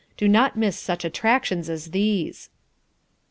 Do not miss such attractions as these!"